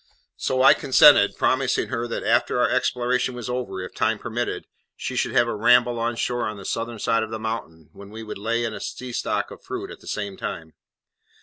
So I consented, promising her that after our exploration was over, if time permitted, she should have a ramble on shore on the southern side of the mountain, when we would lay in a sea stock of fruit at the same time.